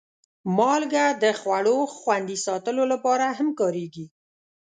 مالګه د خوړو خوندي ساتلو لپاره هم کارېږي.